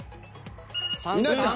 稲ちゃん。